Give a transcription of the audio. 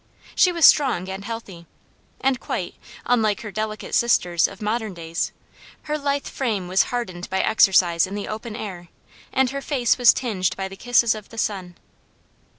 She was strong and healthy; and quite, unlike her delicate sisters of modern days, her lithe frame was hardened by exercise in the open air, and her face was tinged by the kisses of the sun.